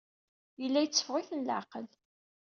Yella yetteffeɣ-iten leɛqel.